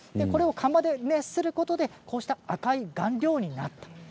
これを釜で熱することでこうした赤い顔料になった。